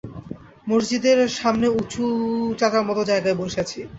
মসজিদের সামনে উঁচু চাতালমতো জায়গায় বসে আছি।